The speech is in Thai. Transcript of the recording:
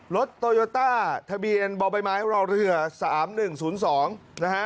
รถโตโยต้าทะเบียนบ่อใบไม้รอเรือสามหนึ่งศูนย์สองนะฮะ